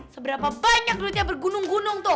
seberapa banyak duitnya bergunung gunung tuh